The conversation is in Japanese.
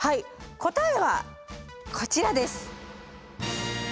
答えはこちらです。